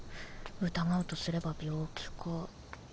疑うとすれば病気か。